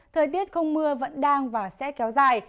thời tiết không mưa vẫn đang và sẽ kéo dài